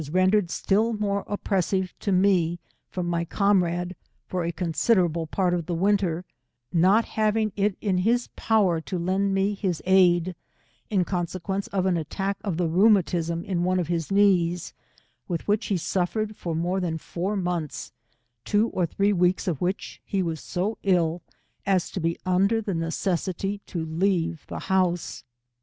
rendered atill more oppressive to me, from my comrade, for P 3 166 a considerable part of the winter, not having it in his power to lend me his aid, in consequence of an attack of the rheumatism in one of his knees, with which he suffered for more than four months, two or three weeks of which, he was so ill as to be un der the necessity to leave the house.